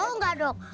oh enggak dok